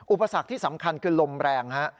อุปสรรคที่สำคัญคือลมแรงฮะ